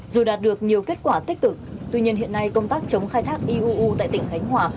dù đạt được nhiều kết quả tích cực tuy nhiên hiện nay công tác chống khai thác iuu tại tỉnh khánh hòa